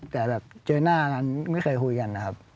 แต่แบบเจอหน้ากันไม่เคยคุยกันนะครับ